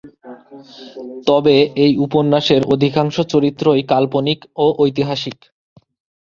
তবে এই উপন্যাসের অধিকাংশ চরিত্রই কাল্পনিক ও ঐতিহাসিক।